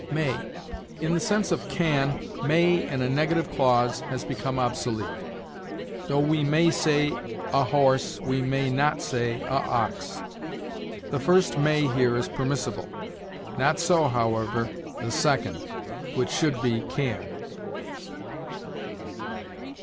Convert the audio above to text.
MAY. In the sense of can, may, in a negative clause, has become obsolete. "Though we may say a horse, we may not say a ox." The first may here is permissible; not so, however, the second, which should be can.